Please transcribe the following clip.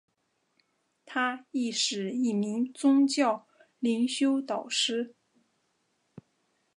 她亦是一名宗教灵修导师。